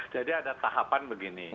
jadi ada tahapan begini